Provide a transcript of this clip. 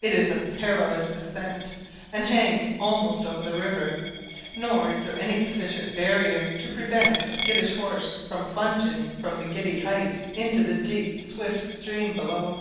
It is a perilous ascent, and hangs almost over the river, nor is there any sufficient barrier to prevent a skittish horse from plunging from the giddy height into the deep, swift stream below.